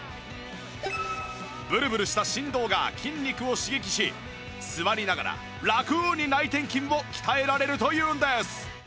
ブルブルした振動が筋肉を刺激し座りながらラクに内転筋を鍛えられるというんです